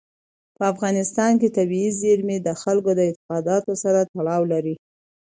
په افغانستان کې طبیعي زیرمې د خلکو د اعتقاداتو سره تړاو لري.